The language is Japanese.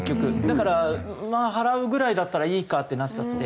だから払うぐらいだったらいいかってなっちゃって。